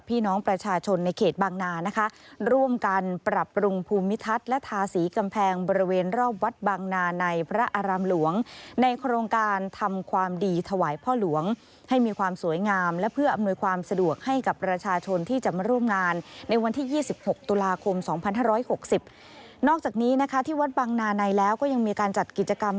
พี่น้องประชาชนในเขตบางนานะคะร่วมกันปรับปรุงภูมิทัศน์และทาสีกำแพงบริเวณรอบวัดบางนาในพระอารามหลวงในโครงการทำความดีถวายพ่อหลวงให้มีความสวยงามและเพื่ออำนวยความสะดวกให้กับประชาชนที่จะมาร่วมงานในวันที่๒๖ตุลาคม๒๕๖๐นอกจากนี้นะคะที่วัดบังนาในแล้วก็ยังมีการจัดกิจกรรม